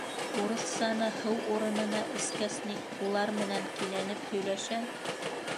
Урыҫсаны һыу урынына эскәс ни, улар менән кинәнеп һөйләшә.